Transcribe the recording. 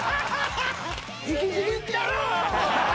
引きちぎってやる！